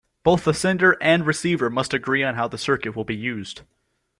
Both the sender and receiver must agree on how the circuit will be used.